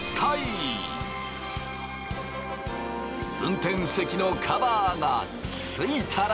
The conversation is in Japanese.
運転席のカバーが付いたら。